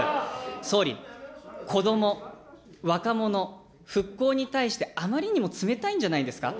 総理、子ども、若者、復興に対して、あまりにも冷たいんじゃないですか。